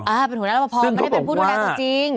อ่าเป็นผู้ดูแลรับประพรไม่ได้เป็นผู้ดูแลตัวจริง